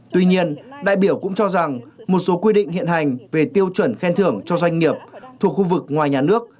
tuy nhiên đại biểu cũng cho rằng một số quy định hiện hành về tiêu chuẩn khen thưởng cho doanh nghiệp thuộc khu vực ngoài nhà nước